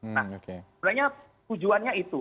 nah sebenarnya tujuannya itu